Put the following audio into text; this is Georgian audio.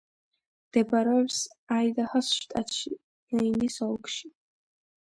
მდებარეობს აიდაჰოს შტატში, ბლეინის ოლქში.